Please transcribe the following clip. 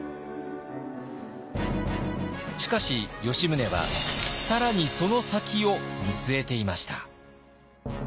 しかし吉宗は更にその先を見据えていました。